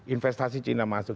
investasi cina masuk